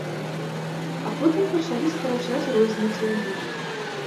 А потым пачалі скарачаць розніцу ў ліку.